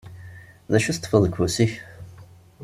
D acu i teṭṭfeḍ deg ufus-ik?